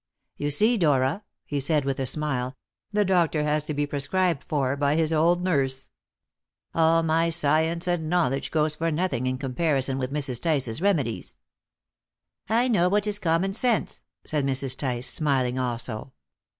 "You see, Dora," he said, with a smile, "the doctor has to be prescribed for by his old nurse. All my science and knowledge goes for nothing in comparison with Mrs. Tice's remedies." "I know what is common sense," said Mrs. Tice, smiling also.